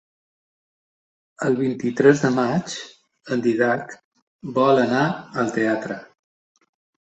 El vint-i-tres de maig en Dídac vol anar al teatre.